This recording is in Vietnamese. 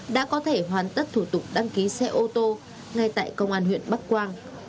đã có thể hoàn tất thủ tục đăng ký xe ô tô ngay tại công an huyện bắc quang